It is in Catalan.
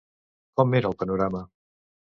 Com era el panorama?